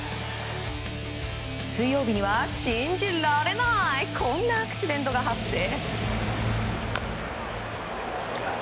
水曜日には信じられないこんなアクシデントが発生。